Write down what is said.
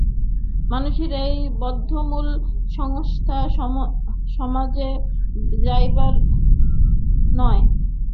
মানুষের এই বদ্ধমূল সংস্কার সহজে যাইবার নয়।